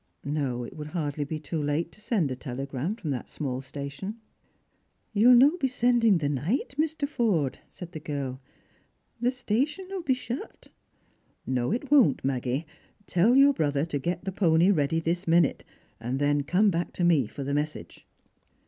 No, it would hardly be too late to send a telegram from that small station. " Ye'll no' be sending the night, Mr. Forde," said the girl, « the Btation'll be shut." Strangers and JPilgriim. 341 " No, it won't, Magofie. Tell your brother to get the pony ready this minute. And then oome back to me for the message."